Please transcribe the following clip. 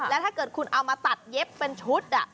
แล้วถ้าเกิดคุณเอามาตัดเย็บเป็นชุด